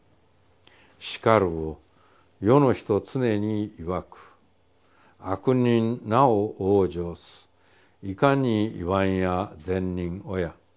しかるを世の人つねにいわく悪人なお往生すいかにいわんや善人をや。